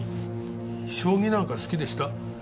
将棋なんか好きでした？